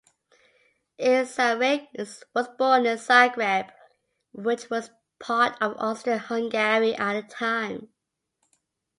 Cesarec was born in Zagreb, which was part of Austria-Hungary at a time.